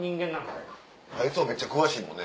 あいつもめっちゃ詳しいもんね。